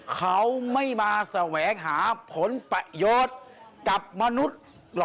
เขาไม่มาแสวงหาผลประโยชน์กับมนุษย์